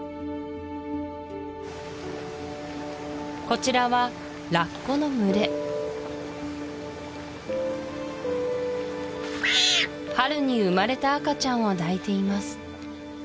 こちらはラッコの群れ春に生まれた赤ちゃんを抱いています